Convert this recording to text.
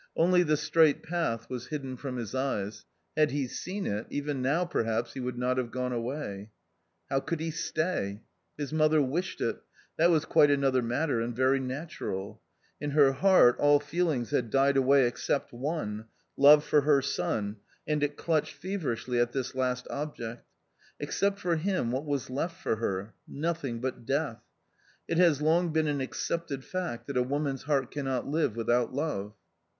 Only the straight path was hidden from his eyes ; had he . seen it, even now perhaps he would not have gone away. How could he stay? His mother wished it — that was quite another matter and very natural. In her heart all feelings had died away except one — love for her son, and it clutched feverishly at this last object. Except for him what was left for her ? Nothing but death. It has long been an accepted fact that a woman's heart cannot live with out love.